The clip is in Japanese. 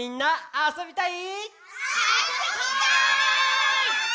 あそびたい！